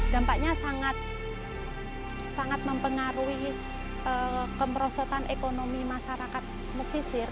dampaknya sangat mempengaruhi kemerosotan ekonomi masyarakat mesisir